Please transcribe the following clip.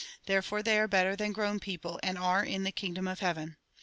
Therefore are they better than grown people, and are in the kingdom of heaven.